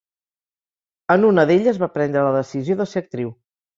En una d'elles va prendre la decisió de ser actriu.